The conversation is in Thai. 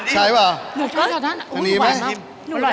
จาชอบเหรอ